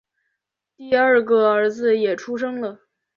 第二个儿子也出生了